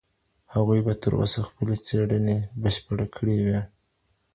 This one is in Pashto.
هغوی به تر اوسه خپلي څېړنې بشپړې کړې وي.